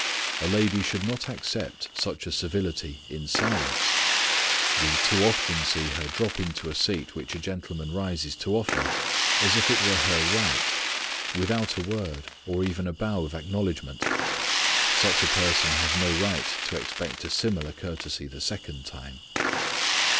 A lady should not accept such a civility in silence. We too often see her drop into a seat which a gentleman rises to offer as if it were her right, without a word or even a bow of acknowledgment. Such a person has no right to expect a similar courtesy the second time.